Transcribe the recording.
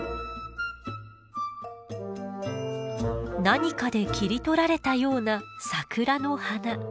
何かで切り取られたような桜の花。